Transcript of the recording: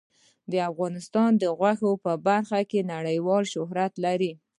افغانستان د غوښې په برخه کې نړیوال شهرت لري.